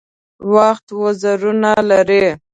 وخت وزرونه لري .